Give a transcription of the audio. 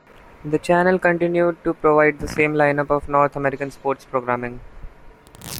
The channel continued to provide the same lineup of North American sports programming.